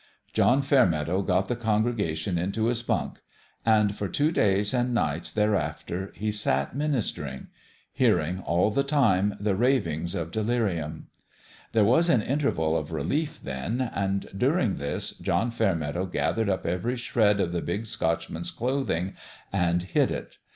John Fairmeadow got the congregation into his bunk ; and for two days and nights thereafter he sat ministering hearing, all the time, the ravings of delirium. There was an interval of relief, then, and during this John Fairmeadow gathered up every shred of the Big Scotchman's clothing and 218 ON THE GRADE hid it.